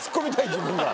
自分が。